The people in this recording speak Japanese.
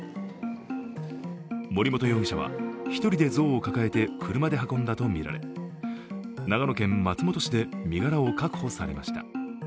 森本容疑者は１人で像を抱えて車で運んだとみられ長野県松本市で身柄を確保されました。